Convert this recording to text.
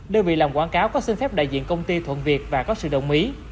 đơn vị làm quảng cáo có xin phép đại diện công ty thuận việc và có sự đồng ý